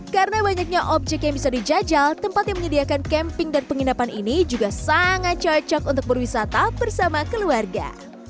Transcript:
karena banyaknya objek yang bisa dijajal tempat yang menyediakan camping dan penginapan ini juga sangat cocok untuk berwisata bersama keluarga